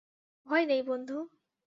ভয় নেই, বন্ধু।